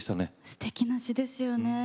すてきですよね。